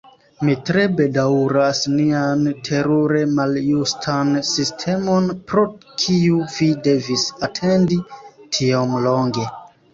Mi tre bedaŭras nian terure maljustan sistemon, pro kiu vi devis atendi tiom longe!